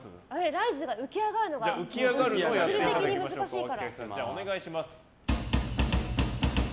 ライズ、浮き上がるのが物理的に難しいから。